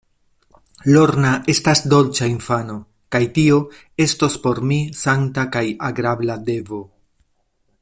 Lorna estas dolĉa infano, kaj tio estos por mi sankta kaj agrabla devo.